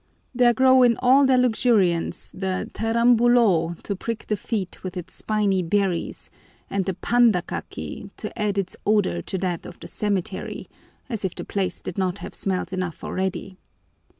There grow in all their luxuriance the tarambulo to prick the feet with its spiny berries and the pandakaki to add its odor to that of the cemetery, as if the place did not have smells enough already.